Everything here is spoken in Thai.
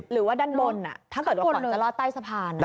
หรือว่าด้านบนน่ะ